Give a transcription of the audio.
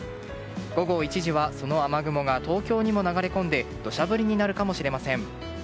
午後１時はその雨雲が東京にも流れ込んで土砂降りになるかもしれません。